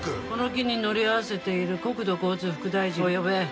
この機に乗り合わせている国土交通副大臣を呼べ。